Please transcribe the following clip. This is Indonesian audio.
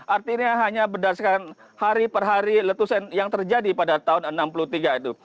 artinya hanya berdasarkan hari per hari letusan yang terjadi pada tahun seribu sembilan ratus enam puluh tiga itu